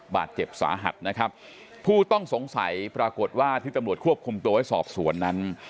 บาดเจ็บสาหัสนะครับผู้ต้องสงสัยปรากฏว่าที่ตำรวจควบคุมตัวไว้สอบสวนนั้น